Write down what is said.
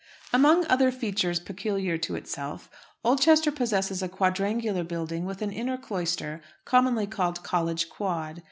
Among other features peculiar to itself, Oldchester possesses a quadrangular building with an inner cloister, commonly called College Quad.